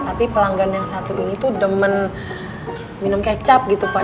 tapi pelanggan yang satu ini tuh demen minum kecap gitu pak